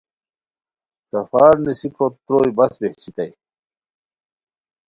سفر نیسیکوت تروئے بس بہچیتائے